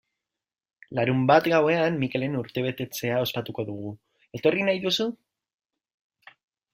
Larunbat gauean Mikelen urtebetetzea ospatuko dugu, etorri nahi duzu?